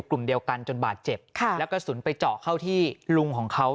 และกระสุนไปเจาะเข้าที่ลุงของเขา